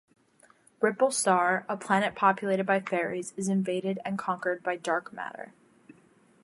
Ripple Star, a planet populated by fairies, is invaded and conquered by Dark Matter.